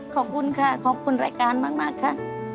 ขอบคุณค่ะขอบคุณรายการมากค่ะ